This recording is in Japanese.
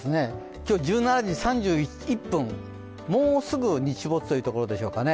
今日、１７時３１分、もうすぐ日没というところですかね。